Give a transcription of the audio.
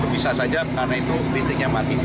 bisa saja karena itu listriknya mati